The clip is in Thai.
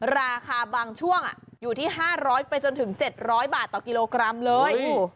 ราคาบางช่วงอยู่ที่๕๐๐ไปจนถึง๗๐๐บาทต่อกิโลกรัมเลย